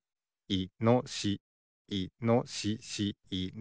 いのしし。